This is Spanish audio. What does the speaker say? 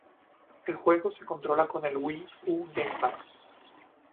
El juego se controla con el Wii U GamePad.